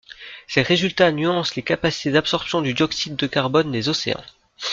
Ces résultats nuancent les capacités d'absorption du dioxyde de carbone des océans.